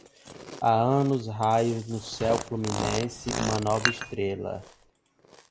Há anos raiou no céu fluminense uma nova estrela.